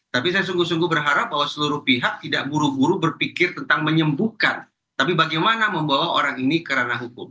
tapi saya sungguh sungguh berharap bahwa seluruh pihak tidak buru buru berpikir tentang menyembuhkan tapi bagaimana membawa orang ini ke ranah hukum